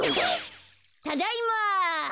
ただいま。